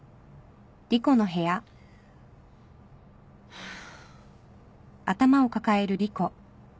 ハァ。